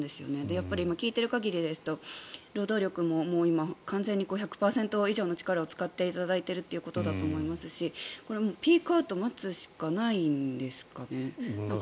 やっぱり聞いている限りですと労働力も今、もう１００％以上の力を使っていただいているということだと思いますしピークアウトを待つしかないんですかね？